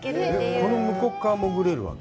この向こう側も潜れるわけ？